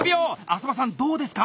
浅羽さんどうですか？